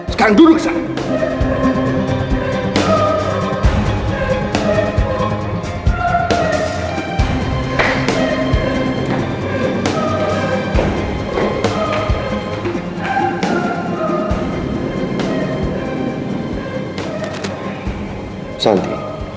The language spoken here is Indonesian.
sekarang duduk sana